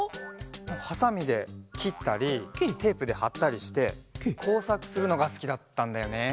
ハサミできったりテープではったりしてこうさくするのがすきだったんだよね。